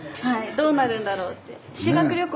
どうなるんだろうって。